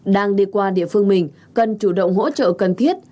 đang đi qua địa phương mình cần chủ động hỗ trợ cần thiết